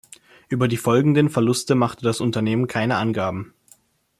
Über die folgenden Verluste machte das Unternehmen keine Angaben.